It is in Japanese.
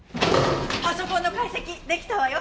パソコンの解析できたわよ。